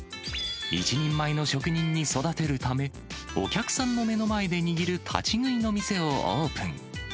一人前の職人に育てるため、お客さんの目の前で握る立ち食いの店をオープン。